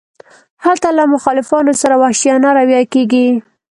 هلته له مخالفانو سره وحشیانه رویه کیږي.